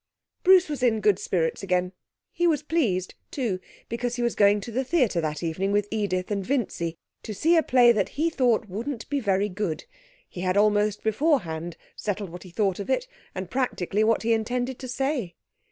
Bruce was in good spirits again; he was pleased too, because he was going to the theatre that evening with Edith and Vincy, to see a play that he thought wouldn't be very good. He had almost beforehand settled what he thought of it, and practically what he intended to say.